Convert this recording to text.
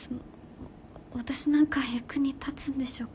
私なんか役に立つんでしょうか。